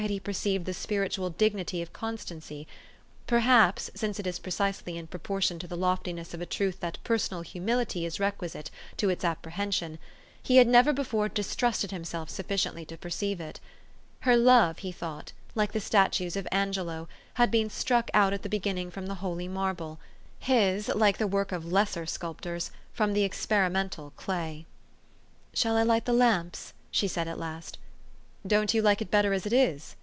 423 he perceived the spiritual dignity of constancy ; per haps since it is precisely in proportion to the lofti ness of a truth that personal humility is requisite to its apprehension he had never before distrusted himself sufficiently to perceive it. Her love, he thought, like the statues of Angelo, had been struck out at the beginning from the holy marble ; his, like the work of lesser sculptors, from the experimental clay. " Shall I light the lamps? " she said at last. "Don't you like it better as it is?"